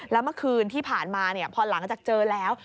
แล้วเมื่อคืนที่ผ่านมาพอหลังจากเจอแล้ว